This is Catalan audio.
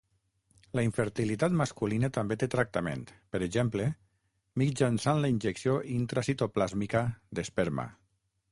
La infertilitat masculina també té tractament, per exemple, mitjançant la injecció intracitoplasmàtica d'esperma.